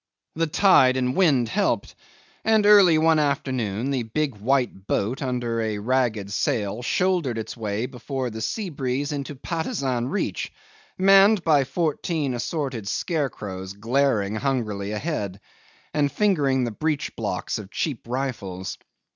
The tide and wind helped, and early one afternoon the big white boat under a ragged sail shouldered its way before the sea breeze into Patusan Reach, manned by fourteen assorted scarecrows glaring hungrily ahead, and fingering the breech blocks of cheap rifles.